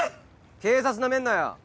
警察ナメんなよ。